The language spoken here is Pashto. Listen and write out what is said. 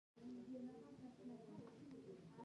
د لوېدیځ شړېدلي پانګوال نظام سیاسي ازادي کې پرمختګ کړی و